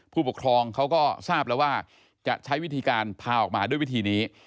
ผู้ปกครองเขาก็ทราบแล้วว่าจะใช้วิธีการพาออกมาด้วยวิธีนี้